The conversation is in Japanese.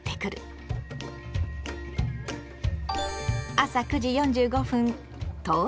朝９時４５分到着。